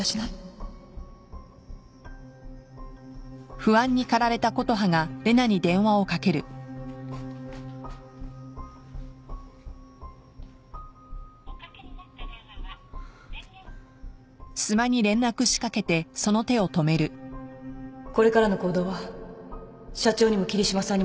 これからの行動は社長にも桐嶋さんにも黙ってて